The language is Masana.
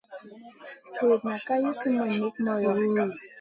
Vuruta ka li summun nik moyo.